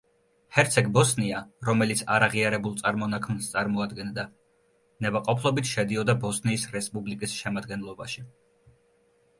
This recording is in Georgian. ჰერცეგ–ბოსნია, რომელიც არაღიარებულ წარმონაქმნს წარმოადგენდა, ნებაყოფლობით შედიოდა ბოსნიის რესპუბლიკის შემადგენლობაში.